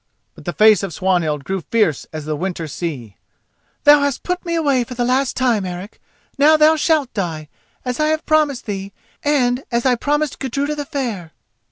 But the face of Swanhild grew fierce as the winter sea. "Thou hast put me away for the last time, Eric! Now thou shalt die, as I have promised thee and as I promised Gudruda the Fair!"